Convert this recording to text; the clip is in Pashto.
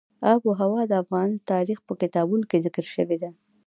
آب وهوا د افغان تاریخ په کتابونو کې ذکر شوې ده.